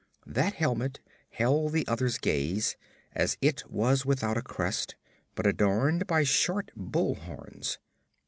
That helmet held the other's gaze; it was without a crest, but adorned by short bull's horns.